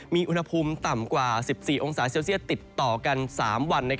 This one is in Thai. มีอุณหภูมิต่ำกว่า๑๔องศาเซลเซียตติดต่อกัน๓วัน